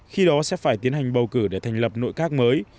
khi đó sẽ phải tiến hành bầu cử để thành lập nội các mới